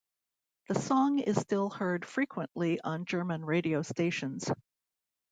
The song is still heard frequently on German radio stations.